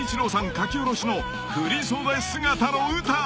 書き下ろしの振り袖姿のウタ］